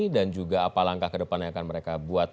juga apa langkah ke depan yang akan mereka buat